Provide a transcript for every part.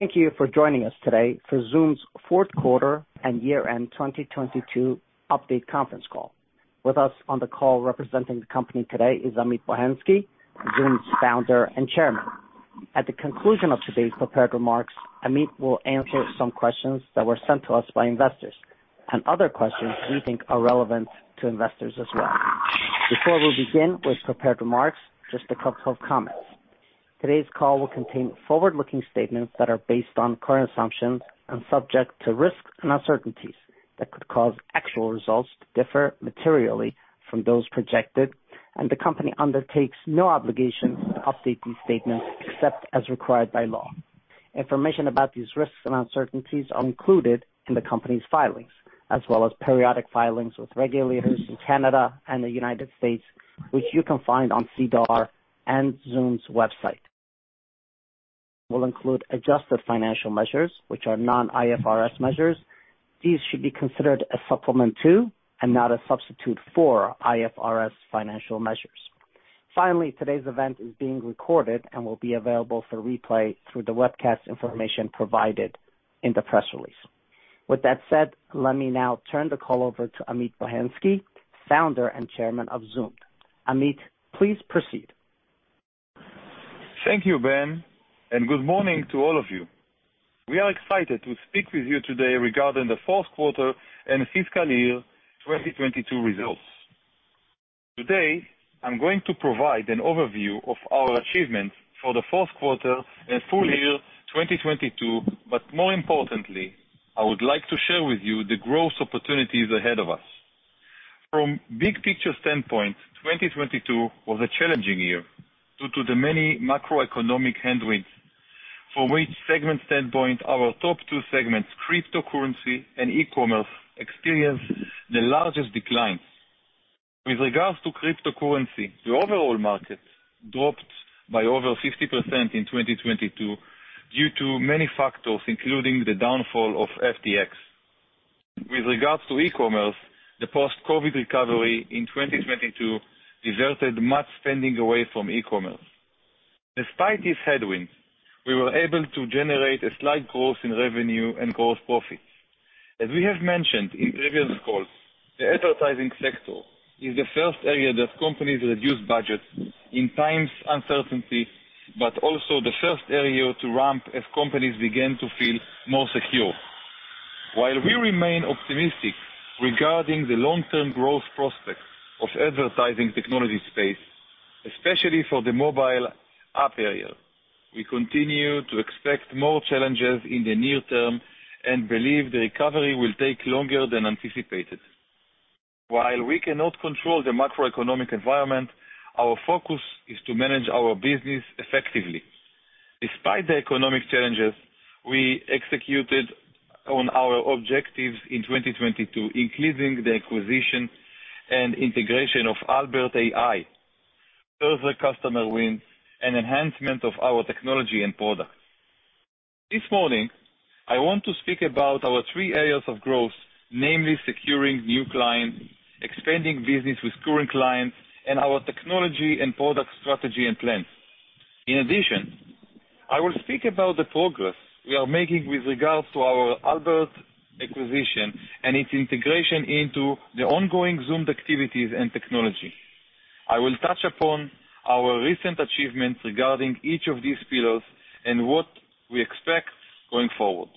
Thank you for joining us today for Zoomd's fourth quarter and year-end 2022 update conference call. With us on the call representing the company today is Amit Bohensky, Zoomd's Founder and Chairman. At the conclusion of today's prepared remarks, Amit will answer some questions that were sent to us by investors and other questions we think are relevant to investors as well. Before we begin with prepared remarks, just a couple of comments. Today's call will contain forward-looking statements that are based on current assumptions and subject to risks and uncertainties that could cause actual results to differ materially from those projected. The company undertakes no obligation to update these statements except as required by law. Information about these risks and uncertainties are included in the company's filings as well as periodic filings with regulators in Canada and the United States, which you can find on SEDAR and Zoomd's website. Will include adjusted financial measures, which are non-IFRS measures. These should be considered a supplement to and not a substitute for IFRS financial measures. Finally, today's event is being recorded and will be available for replay through the webcast information provided in the press release. With that said, let me now turn the call over to Amit Bohensky, Founder and Chairman of Zoomd. Amit, please proceed. Thank you, Ben. Good morning to all of you. We are excited to speak with you today regarding the fourth quarter and fiscal year 2022 results. Today, I'm going to provide an overview of our achievements for the fourth quarter and full year 2022. More importantly, I would like to share with you the growth opportunities ahead of us. From big picture standpoint, 2022 was a challenging year due to the many macroeconomic headwinds, from which segment standpoint, our top two segments, cryptocurrency and e-commerce, experienced the largest declines. With regards to cryptocurrency, the overall market dropped by over 50% in 2022 due to many factors, including the downfall of FTX. With regards to e-commerce, the post-COVID recovery in 2022 diverted much spending away from e-commerce. Despite these headwinds, we were able to generate a slight growth in revenue and gross profits. As we have mentioned in previous calls, the advertising sector is the first area that companies reduce budget in times of uncertainty, but also the first area to ramp as companies begin to feel more secure. While we remain optimistic regarding the long-term growth prospects of advertising technology space, especially for the mobile app area, we continue to expect more challenges in the near term and believe the recovery will take longer than anticipated. While we cannot control the macroeconomic environment, our focus is to manage our business effectively. Despite the economic challenges, we executed on our objectives in 2022, including the acquisition and integration of Albert AI, further customer wins, and enhancement of our technology and products. This morning, I want to speak about our three areas of growth, namely securing new clients, expanding business with current clients, and our technology and product strategy and plans. I will speak about the progress we are making with regards to our Albert acquisition and its integration into the ongoing Zoomd activities and technology. I will touch upon our recent achievements regarding each of these pillars and what we expect going forward.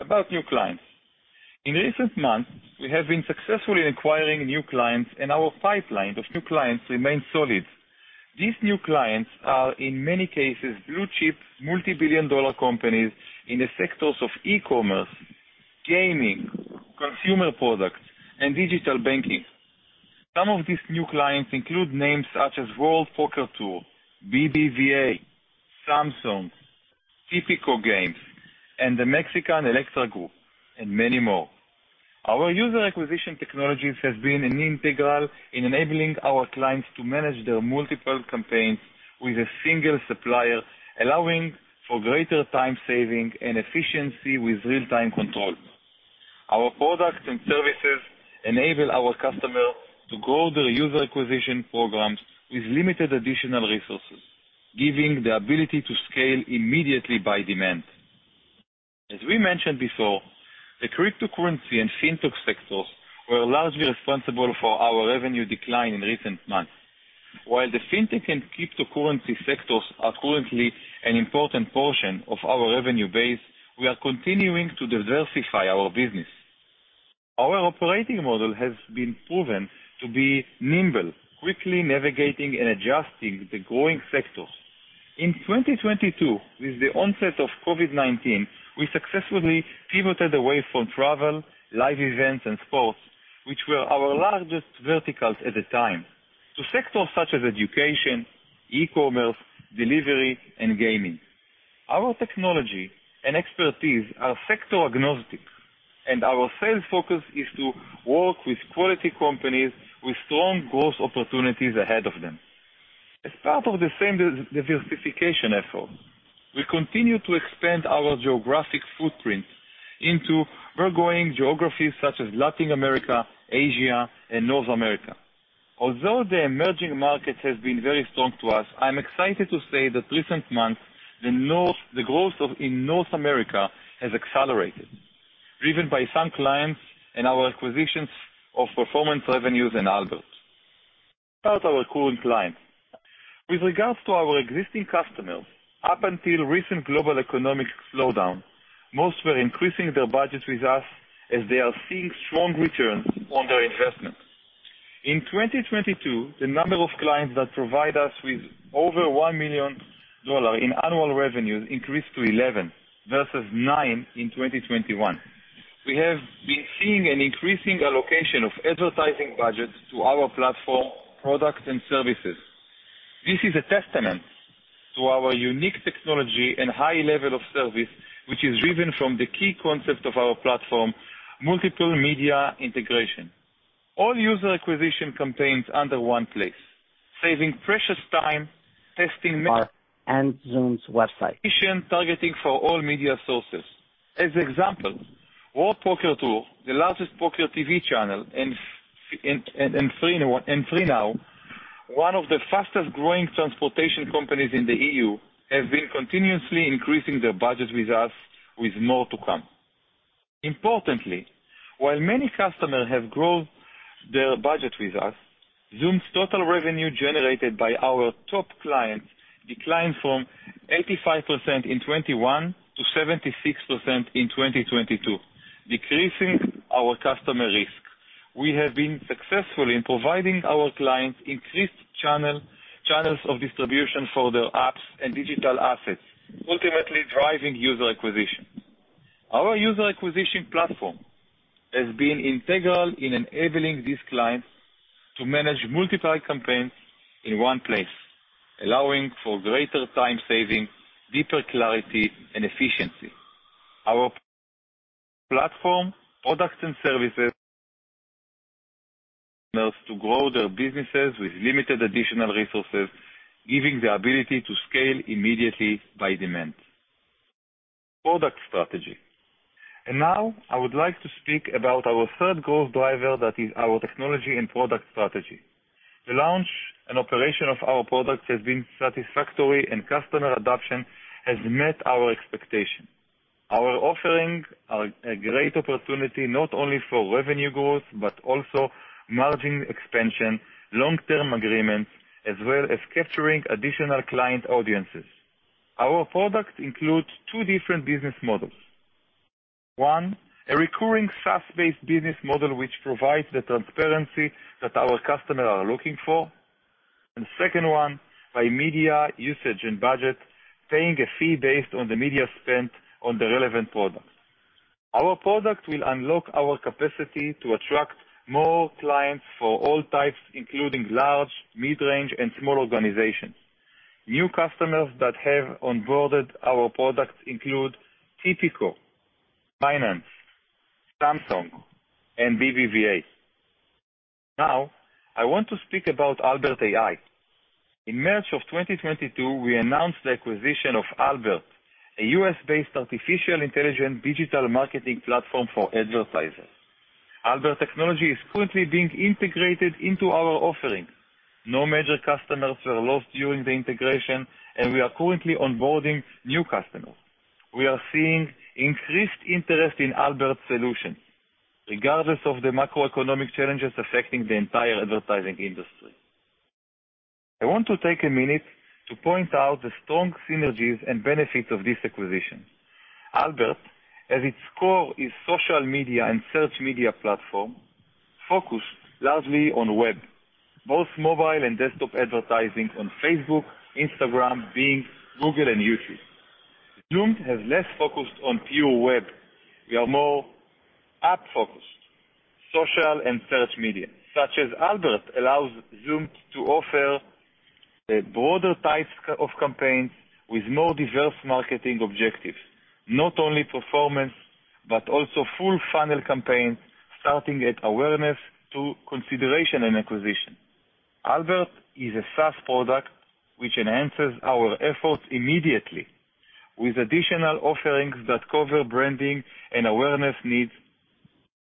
About new clients. In recent months, we have been successfully acquiring new clients and our pipeline of new clients remains solid. These new clients are, in many cases, blue-chip, multi-billion dollar companies in the sectors of e-commerce, gaming, consumer products, and digital banking. Some of these new clients include names such as World Poker Tour, BBVA, Samsung, Tipico Games, and the Mexican Grupo Elektra, and many more. Our user acquisition technologies has been an integral in enabling our clients to manage their multiple campaigns with a single supplier, allowing for greater time saving and efficiency with real-time control. Our products and services enable our customers to grow their user acquisition programs with limited additional resources, giving the ability to scale immediately by demand. As we mentioned before, the cryptocurrency and fintech sectors were largely responsible for our revenue decline in recent months. While the fintech and cryptocurrency sectors are currently an important portion of our revenue base, we are continuing to diversify our business. Our operating model has been proven to be nimble, quickly navigating and adjusting the growing sectors. In 2022, with the onset of COVID-19, we successfully pivoted away from travel, live events and sports, which were our largest verticals at the time, to sectors such as education, e-commerce, delivery, and gaming. Our technology and expertise are sector-agnostic, and our sales focus is to work with quality companies with strong growth opportunities ahead of them. As part of the same diversification effort, we continue to expand our geographic footprint into burgeoning geographies such as Latin America, Asia, and North America. Although the emerging markets has been very strong to us, I'm excited to say that recent months, the growth in North America has accelerated, driven by some clients and our acquisitions of Performance Revenues and Albert. About our current clients. With regards to our existing customers, up until recent global economic slowdown, most were increasing their budgets with us as they are seeing strong returns on their investment. In 2022, the number of clients that provide us with over $1 million in annual revenues increased to 11 versus 9 in 2021. We have been seeing an increasing allocation of advertising budgets to our platform, products and services. This is a testament to our unique technology and high level of service, which is driven from the key concept of our platform: multiple media integration. All user acquisition campaigns under one place, saving precious time. Bar and Zoomd's website. Efficient targeting for all media sources. As example, World Poker Tour, the largest poker TV channel, and FreeNow, one of the fastest-growing transportation companies in the EU, have been continuously increasing their budget with us with more to come. Importantly, while many customers have grown their budget with us, Zoom's total revenue generated by our top clients declined from 85% in 2021 to 76% in 2022, decreasing our customer risk. We have been successful in providing our clients increased channels of distribution for their apps and digital assets, ultimately driving user acquisition. Our user acquisition platform has been integral in enabling these clients to manage multiple campaigns in one place, allowing for greater time saving, deeper clarity and efficiency. Our platform, products and services to grow their businesses with limited additional resources, giving the ability to scale immediately by demand. Product strategy. Now I would like to speak about our third growth driver that is our technology and product strategy. The launch and operation of our products has been satisfactory and customer adoption has met our expectation. Our offerings are a great opportunity not only for revenue growth, but also margin expansion, long-term agreements, as well as capturing additional client audiences. Our products include two different business models. One, a recurring SaaS-based business model, which provides the transparency that our customers are looking for. Second one, by media usage and budget, paying a fee based on the media spent on the relevant products. Our product will unlock our capacity to attract more clients for all types, including large, mid-range and small organizations. New customers that have onboarded our products include Tipico, Binance, Samsung, and BBVA. Now, I want to speak about Albert AI. In March of 2022, we announced the acquisition of Albert, a US-based artificial intelligent digital marketing platform for advertisers. Albert technology is currently being integrated into our offerings. No major customers were lost during the integration, and we are currently onboarding new customers. We are seeing increased interest in Albert's solution regardless of the macroeconomic challenges affecting the entire advertising industry. I want to take a minute to point out the strong synergies and benefits of this acquisition. Albert, at its core, is social media and search media platform, focused largely on web, both mobile and desktop advertising on Facebook, Instagram, Bing, Google and YouTube. Zoomd has less focused on pure web. We are more app-focused. Social and search media, such as Albert, allows Zoomd to offer broader types of campaigns with more diverse marketing objectives, not only performance, but also full funnel campaigns, starting at awareness to consideration and acquisition. Albert is a SaaS product which enhances our efforts immediately with additional offerings that cover branding and awareness needs.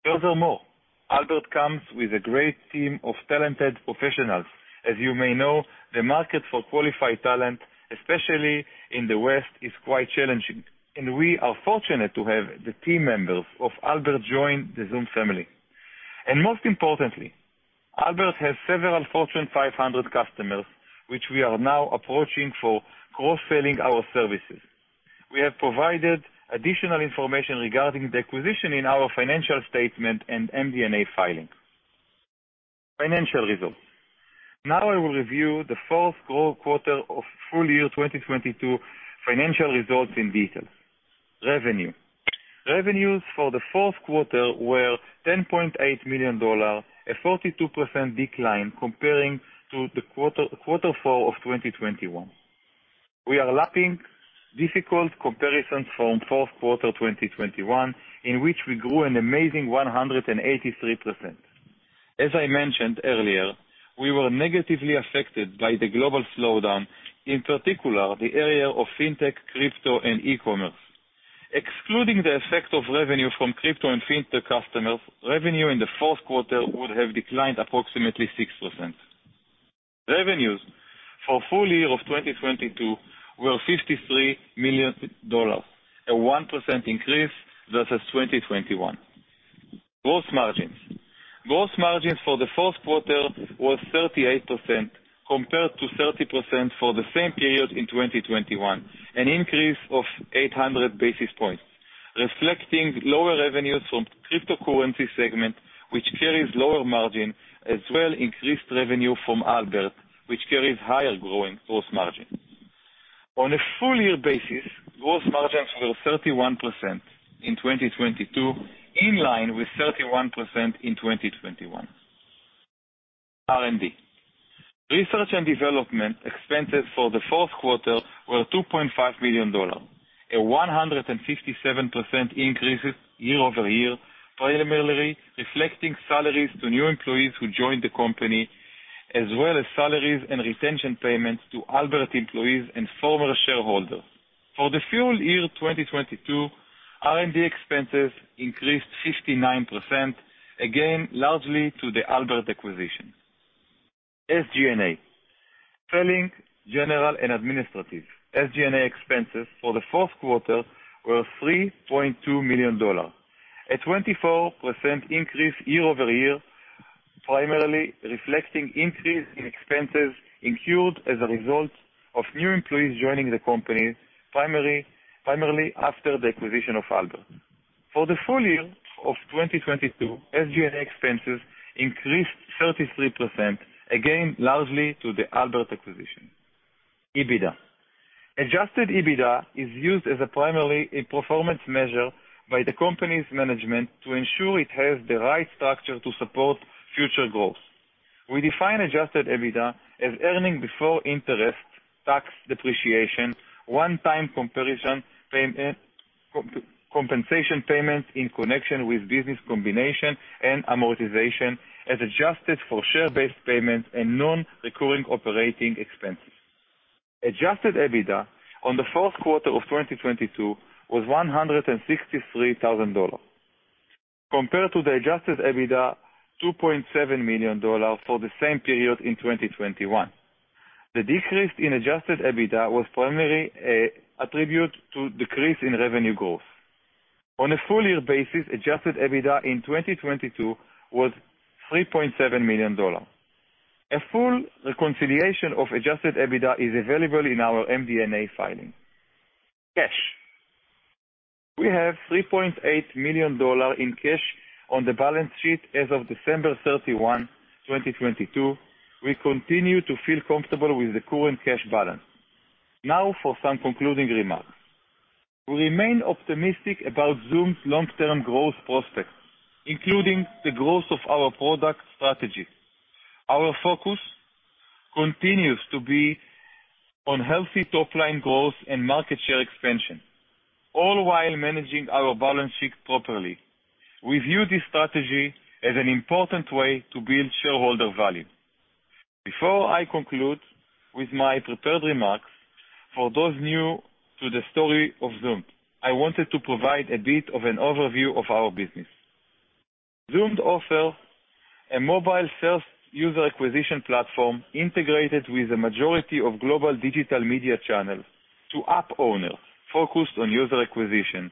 Albert comes with a great team of talented professionals. As you may know, the market for qualified talent, especially in the West, is quite challenging, and we are fortunate to have the team members of Albert join the Zoomd family. Most importantly, Albert has several Fortune 500 customers, which we are now approaching for cross-selling our services. We have provided additional information regarding the acquisition in our financial statement and MD&A filing. Financial results. I will review the fourth quarter of full year 2022 financial results in detail. Revenue. Revenues for the fourth quarter were $10.8 million, a 42% decline comparing to the quarter four of 2021. We are lapping difficult comparisons from fourth quarter 2021, in which we grew an amazing 183%. As I mentioned earlier, we were negatively affected by the global slowdown, in particular, the area of fintech, crypto and e-commerce. Excluding the effect of revenue from crypto and fintech customers, revenue in the fourth quarter would have declined approximately 6%. Revenues for full year of 2022 were $53 million, a 1% increase versus 2021. Gross margins. Gross margins for the fourth quarter was 38% compared to 30% for the same period in 2021, an increase of 800 basis points, reflecting lower revenues from cryptocurrency segment, which carries lower margin, as well increased revenue from Albert, which carries higher growing gross margin. On a full year basis, gross margins were 31% in 2022, in line with 31% in 2021. R&D. Research and development expenses for the fourth quarter were $2.5 million, a 157% increase year-over-year, primarily reflecting salaries to new employees who joined the company, as well as salaries and retention payments to Albert employees and former shareholders. For the full year 2022, R&D expenses increased 59%, again, largely to the Albert acquisition. SG&A. Selling, general and administrative. SG&A expenses for the fourth quarter were $3.2 million, a 24% increase year-over-year, primarily reflecting increase in expenses incurred as a result of new employees joining the company, primarily after the acquisition of Albert. For the full year of 2022, SG&A expenses increased 33%, again, largely to the Albert acquisition. EBITDA. Adjusted EBITDA is used as a primary performance measure by the company's management to ensure it has the right structure to support future growth. We define Adjusted EBITDA as earnings before interest, tax, depreciation, one-time comparison pay, compensation payments in connection with business combination and amortization, as adjusted for share-based payments and non-recurring operating expenses. Adjusted EBITDA on the fourth quarter of 2022 was $163,000 compared to the Adjusted EBITDA $2.7 million for the same period in 2021. The decrease in adjusted EBITDA was primarily attributed to decrease in revenue growth. On a full year basis, adjusted EBITDA in 2022 was $3.7 million. A full reconciliation of adjusted EBITDA is available in our MD&A filing. Cash. We have $3.8 million in cash on the balance sheet as of December 31, 2022. We continue to feel comfortable with the current cash balance. For some concluding remarks. We remain optimistic about Zoomd's long-term growth prospects, including the growth of our product strategy. Our focus continues to be on healthy top-line growth and market share expansion, all while managing our balance sheet properly. We view this strategy as an important way to build shareholder value. Before I conclude with my prepared remarks, for those new to the story of Zoomd, I wanted to provide a bit of an overview of our business. Zoomd offer a mobile self-user acquisition platform integrated with a majority of global digital media channels to app owners focused on user acquisition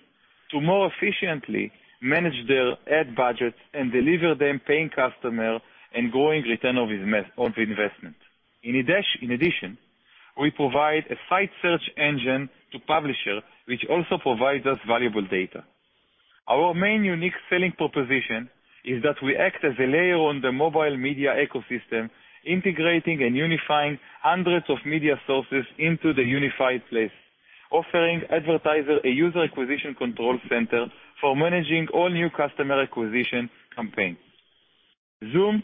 to more efficiently manage their ad budgets and deliver them paying customer and growing return of investment. In addition, we provide a site search engine to publishers, which also provides us valuable data. Our main unique selling proposition is that we act as a layer on the mobile media ecosystem, integrating and unifying hundreds of media sources into the unified place, offering advertisers a user acquisition control center for managing all new customer acquisition campaigns. Zoomd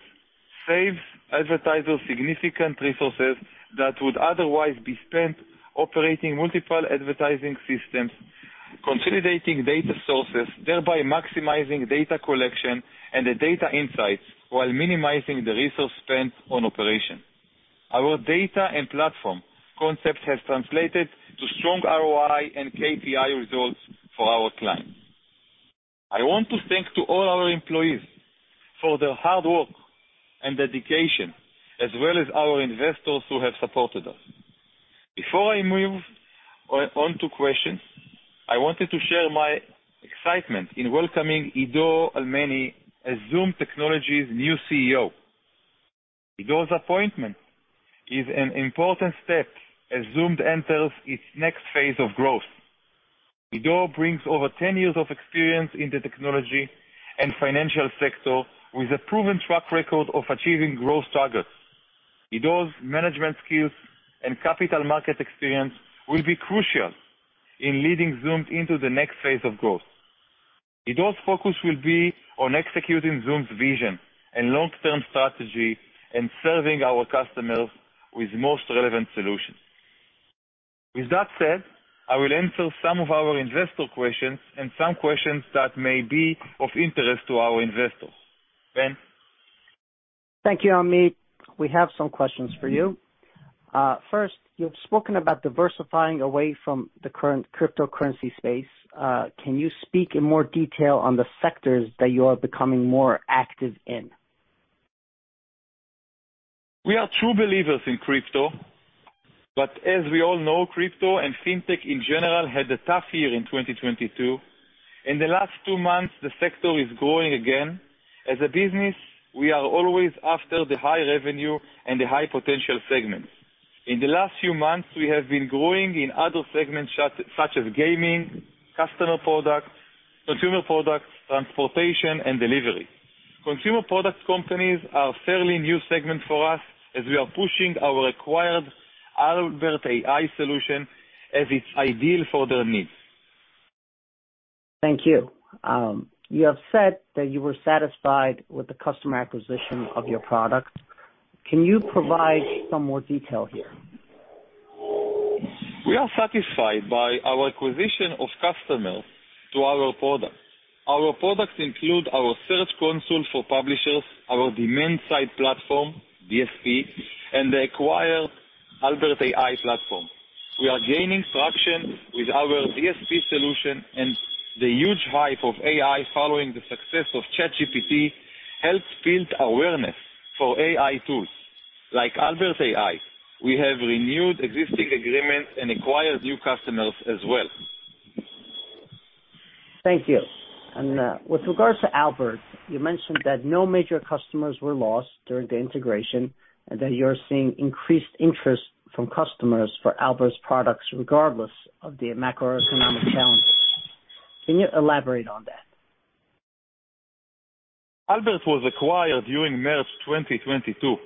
saves advertisers significant resources that would otherwise be spent operating multiple advertising systems, consolidating data sources, thereby maximizing data collection and the data insights while minimizing the resource spent on operation. Our data and platform concept has translated to strong ROI and KPI results for our clients. I want to thank to all our employees for their hard work and dedication, as well as our investors who have supported us. Before I move on to questions, I wanted to share my excitement in welcoming Ido Almany as Zoomd Technologies' new CEO. Ido's appointment is an important step as Zoomd enters its next phase of growth. Ido brings over 10 years of experience in the technology and financial sector with a proven track record of achieving growth targets. Ido's management skills and capital market experience will be crucial in leading Zoomd into the next phase of growth. Ido's focus will be on executing Zoomd's vision and long-term strategy and serving our customers with most relevant solutions. With that said, I will answer some of our investor questions and some questions that may be of interest to our investors. Ben? Thank you, Amit. We have some questions for you. First, you've spoken about diversifying away from the current cryptocurrency space. Can you speak in more detail on the sectors that you are becoming more active in? We are true believers in crypto, but as we all know, crypto and fintech in general had a tough year in 2022. In the last two months, the sector is growing again. As a business, we are always after the high revenue and the high potential segments. In the last few months, we have been growing in other segments such as gaming, customer products, consumer products, transportation and delivery. Consumer products companies are a fairly new segment for us as we are pushing our acquired Albert AI solution as it's ideal for their needs. Thank you. You have said that you were satisfied with the customer acquisition of your products. Can you provide some more detail here? We are satisfied by our acquisition of customers to our products. Our products include our site search for publishers, our demand-side platform, DSP, and the acquired Albert AI platform. We are gaining traction with our DSP solution and the huge hype of AI following the success of ChatGPT helps build awareness for AI tools like Albert AI. We have renewed existing agreements and acquired new customers as well. Thank you. With regards to Albert, you mentioned that no major customers were lost during the integration and that you're seeing increased interest from customers for Albert's products regardless of the macroeconomic challenges. Can you elaborate on that? Albert was acquired during March 2022.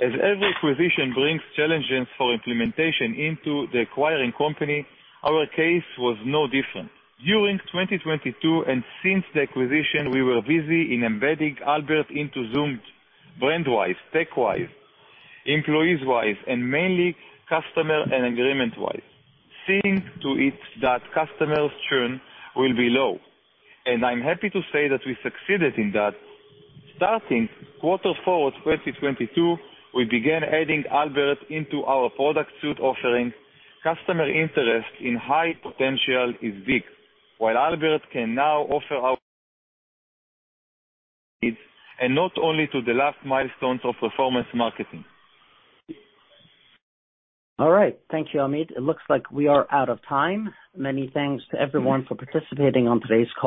As every acquisition brings challenges for implementation into the acquiring company, our case was no different. During 2022 and since the acquisition, we were busy in embedding Albert into Zoomd brand-wise, tech-wise, employees-wise, and mainly customer and agreement-wise, seeing to it that customer churn will be low. I'm happy to say that we succeeded in that. Starting quarter four 2022, we began adding Albert into our product suite offering. Customer interest in high potential is big, while Albert can now offer our and not only to the last milestone of performance marketing. All right. Thank you, Amit. It looks like we are out of time. Many thanks to everyone for participating on today's call.